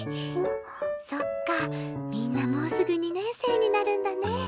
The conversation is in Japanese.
そっかみんなもうすぐ２年生になるんだね。